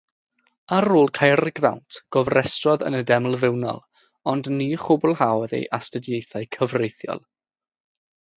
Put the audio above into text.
Ar ôl Caergrawnt gofrestrodd yn y Deml Fewnol ond ni chwblhaodd ei astudiaethau cyfreithiol.